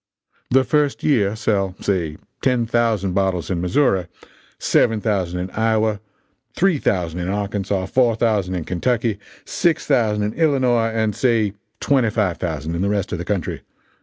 "The first year sell, say, ten thousand bottles in Missouri, seven thousand in Iowa, three thousand in Arkansas, four thousand in Kentucky, six thousand in Illinois, and say twenty five thousand in the rest of the country.